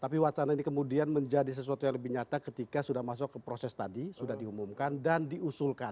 tapi wacana ini kemudian menjadi sesuatu yang lebih nyata ketika sudah masuk ke proses tadi sudah diumumkan dan diusulkan